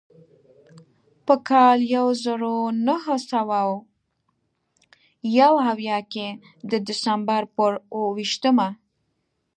په کال یو زر نهه سوه یو اویا کې د ډسمبر پر اوه ویشتمه.